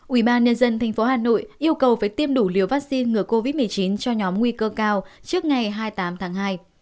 ubnd tp hà nội yêu cầu phải tiêm đủ liều vaccine ngừa covid một mươi chín cho nhóm nguy cơ cao trước ngày hai mươi tám tháng hai